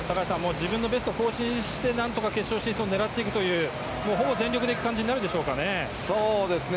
自分のベストを更新して決勝進出を狙っていくというほぼ全力でいく感じになるでしょうかね。